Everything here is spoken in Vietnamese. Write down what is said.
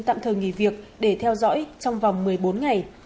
tạm thời nghỉ việc để theo dõi trong vòng một mươi bốn ngày